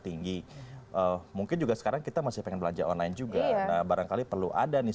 tinggi mungkin juga sekarang kita masih pengen belanja online juga nah barangkali perlu ada nih